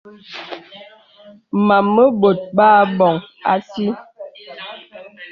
Mām mə bōt bə aboŋ.